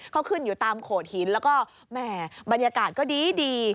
เขาขึ้นอยู่ตามโขดหินแล้วก็แหม่บรรยากาศก็ดี